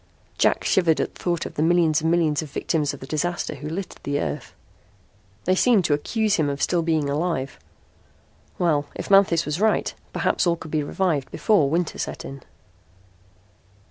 Jack shivered at the thought of the millions and millions of victims of the disaster who littered the Earth. They seemed to accuse him of still being alive. Well, if Manthis was right, perhaps all could be revived before winter set in.